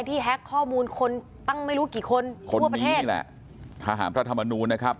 ที่แฮคข้อมูลคนตั้งไม่รู้กี่คนคนนี้แหละทหารพระธรรมนูนนะครับ